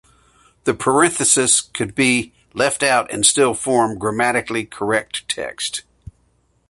The parenthesis could be left out and still form grammatically correct text.